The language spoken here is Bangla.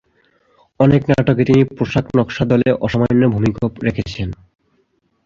অনেক নাটকে তিনি পোশাক নকশার দলে অসামান্য ভূমিকাও রেখেছেন।